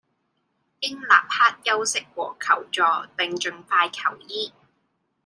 應立刻休息和求助，並盡快求醫